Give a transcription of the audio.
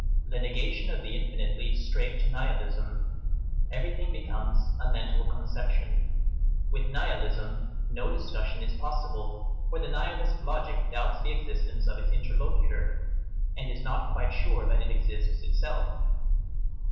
The negation of the infinite leads straight to nihilism. Everything becomes "a mental conception." With nihilism, no discussion is possible; for the nihilist logic doubts the existence of its interlocutor, and is not quite sure that it exists itself.